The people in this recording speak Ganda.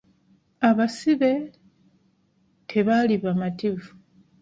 Abasibbe tebaali bamativu.